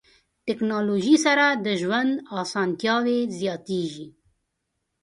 ټکنالوژي سره د ژوند اسانتیاوې زیاتیږي.